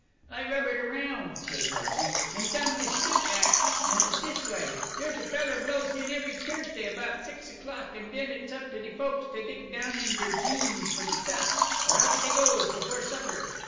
"I rubbered around," said Pugsy, "an' done de sleut' act, an' it's this way. Dere's a feller blows in every T'ursday 'bout six o'clock, an' den it's up to de folks to dig down inter deir jeans for de stuff, or out dey goes before supper.